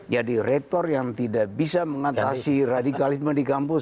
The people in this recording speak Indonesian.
jadi rektor yang tidak bisa mengatasi radikalisme di kampus